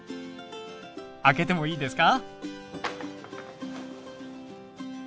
開けてもいいですか？